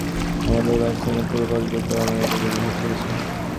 আমাদের বাসস্থানের পুরানো পথগুলো চলাচলের অনুপযোগী হয়ে পড়ছে।